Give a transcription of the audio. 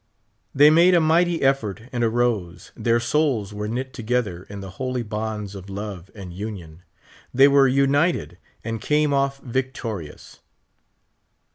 They made a mighty eflbrt and arose ; their souls were knit together in the holy bonds of love and union ; they were united, and came ofl' victorious.